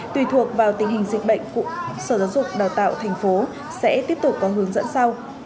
tùy thuộc vào tình hình dịch bệnh sở giáo dục và đào tạo tp sẽ tiếp tục có hướng dẫn sau